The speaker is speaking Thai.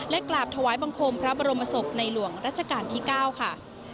กราบถวายบังคมพระบรมศพในหลวงรัชกาลที่๙ค่ะ